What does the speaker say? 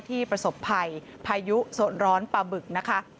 ประสบภัยพายุโซนร้อนปลาบึกนะคะ